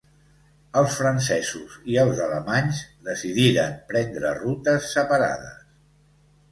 Els francesos i els alemanys decidiren prendre rutes separades.